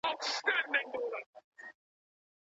خاوند ته شريعت دا تنبيه ورکړې ده، چي احتياط وکړي.